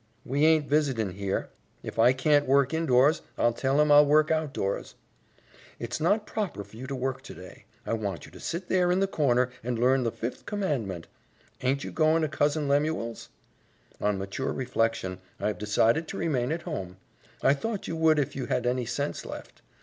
"We aint visitin' here. If I can't work indoors, I'll tell him I'll work outdoors." "It's not proper for you to work today. I want you to sit there in the corner and learn the Fifth Commandment." "Aint you goin' to Cousin Lemuel's?" "On mature reflection, I have decided to remain at home." "I thought you would if you had any sense left.